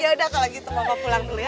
ya udah kalau gitu mbak be pulang dulu ya